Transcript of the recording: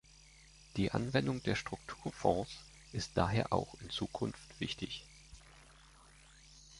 Die Anwendung der Strukturfonds ist daher auch in Zukunft wichtig.